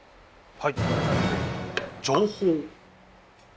はい。